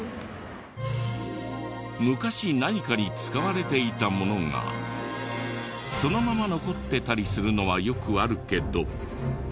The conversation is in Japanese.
昔何かに使われていたものがそのまま残ってたりするのはよくあるけど。